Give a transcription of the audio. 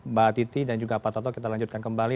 mbak titi dan juga pak toto kita lanjutkan kembali